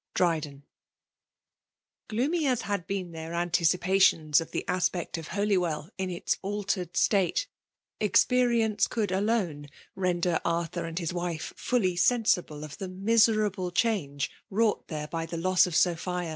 DilTOEir. Gloomy as had been their anticipations of the aspect of Holywell, in its altered state, experi ence could alone render Arthur and his wife fully sensible of the miserable change wrought there by the loss of Sophia.